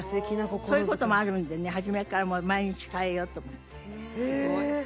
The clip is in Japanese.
そういう事もあるんでね初めから毎日変えようと思って。